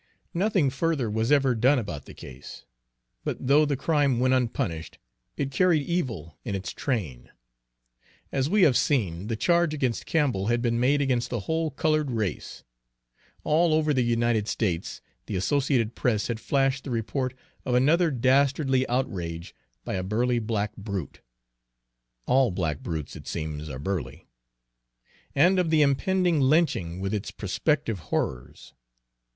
Nothing further was ever done about the case; but though the crime went unpunished, it carried evil in its train. As we have seen, the charge against Campbell had been made against the whole colored race. All over the United States the Associated Press had flashed the report of another dastardly outrage by a burly black brute, all black brutes it seems are burly, and of the impending lynching with its prospective horrors.